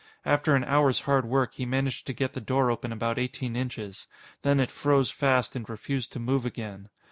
After an hour's hard work, he managed to get the door open about eighteen inches. Then it froze fast and refused to move again.